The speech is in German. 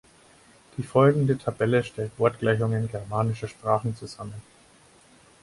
Die folgende Tabelle stellt Wortgleichungen germanischer Sprachen zusammen.